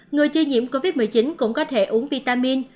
người chưa nhiễm covid một mươi chín cũng có thể uống vitamin